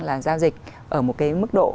là giao dịch ở một cái mức độ